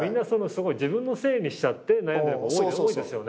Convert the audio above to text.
自分のせいにしちゃって悩んでる子多いですよね。